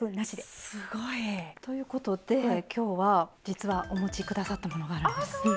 すごい！ということで今日は実はお持ち下さったものがあるんですね。